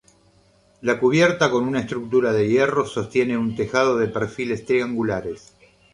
La cubierta, con una estructura de hierro, sostiene un tejado de perfiles triangulares.